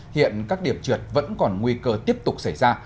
hiện các điểm trượt vẫn còn nguy cơ tiếp tục xảy ra